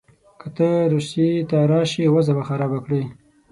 که ته روسیې ته راسې وضع به خرابه کړې.